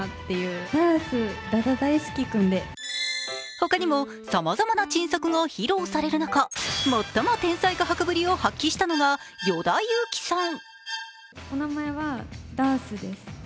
他にもさまざまな珍作が披露される中、最も天才画伯ぶりを発揮したのが与田祐希さん。